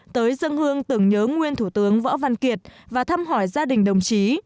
tới dân hương tưởng nhớ nguyên thủ tướng võ văn kiệt và thăm hỏi gia đình đồng chí